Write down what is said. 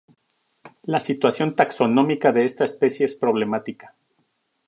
La situación taxonómica de esta especie es problemática.